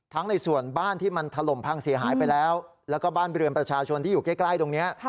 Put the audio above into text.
ในส่วนบ้านที่มันถล่มพังเสียหายไปแล้วแล้วก็บ้านเรือนประชาชนที่อยู่ใกล้ตรงนี้